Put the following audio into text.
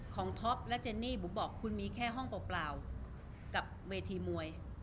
ท็อปและเจนนี่บุ๋มบอกคุณมีแค่ห้องเปล่ากับเวทีมวย